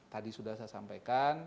tadi sudah saya sampaikan